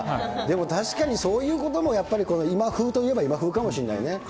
確かにそういうこともやっぱり、今風といえば今風かもしれないね。